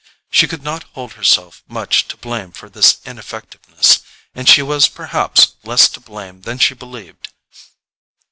She could not hold herself much to blame for this ineffectiveness, and she was perhaps less to blame than she believed.